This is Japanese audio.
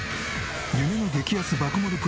夢の激安爆盛り